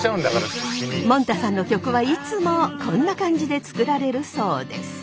もんたさんの曲はいつもこんな感じで作られるそうです。